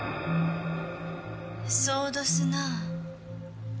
そうどすなあ。